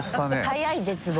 早い絶望。